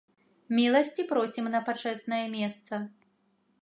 Міласці просім на пачэснае месца.